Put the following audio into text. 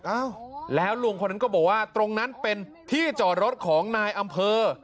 อ้าวแล้วลุงคนนั้นก็บอกว่าตรงนั้นเป็นที่จอดรถของนายอำเภอ